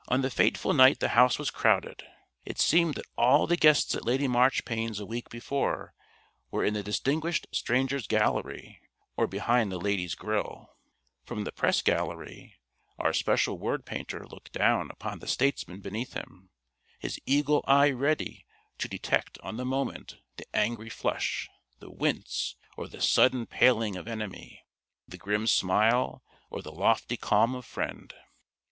_ On the fateful night the House was crowded. It seemed that all the guests at Lady Marchpane's a week before were in the Distinguished Strangers' Gallery or behind the Ladies' Grille. From the Press Gallery "Our Special Word painter" looked down upon the statesmen beneath him, his eagle eye ready to detect on the moment the Angry Flush, the Wince, or the Sudden Paling of enemy, the Grim Smile or the Lofty Calm of friend.